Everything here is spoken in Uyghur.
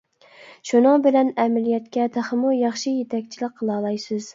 شۇنىڭ بىلەن ئەمەلىيەتكە تېخىمۇ ياخشى يېتەكچىلىك قىلالايسىز.